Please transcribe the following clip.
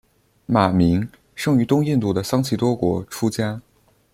马鸣生于东印度的桑岐多国出家。